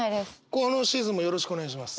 このシーズンもよろしくお願いします。